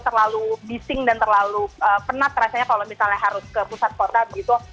terlalu bising dan terlalu penat rasanya kalau misalnya harus ke pusat kota begitu